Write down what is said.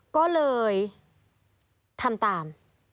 ก็เลยทำตาม